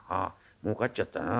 もうかっちゃったな。